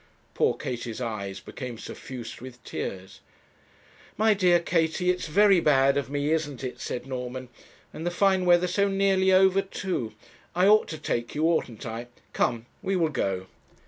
Poor Katie's eyes became suffused with tears. 'My dear Katie, it's very bad of me, isn't it?' said Norman, 'and the fine weather so nearly over too; I ought to take you, oughtn't I? come, we will go.'